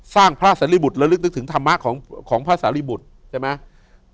สร้างพระเสริบุตรและลึกนึกถึงธรรมะของพระสาริบุตรใช่ไหม